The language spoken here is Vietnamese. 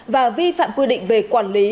và vi phạm quy định về quản lý